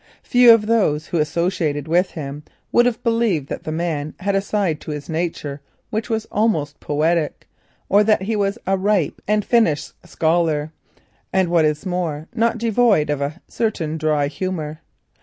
Few of those who associated with him would have believed that the man had a side to his nature which was almost poetic, or that he was a ripe and finished scholar, and, what is more, not devoid of a certain dry humour.